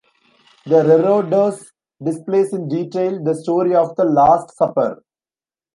The reredos displays in detail the story of the Last Supper.